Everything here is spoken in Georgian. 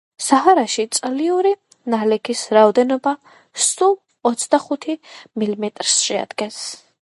საჰარაში წლიური ნალექის რაოდენობა სულ ოცდახუთი მილიმეტრს შეადგენს